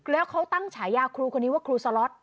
แล้วเขาตั้งฉายาช่องครูว่าครูสรอท